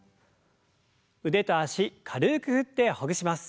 腕と脚軽く振ってほぐします。